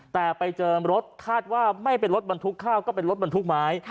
แต่ไปเจอรถคาดว่าไม่เป็นรถบรรทุกข้าวก็เป็นรถบรรทุกไม้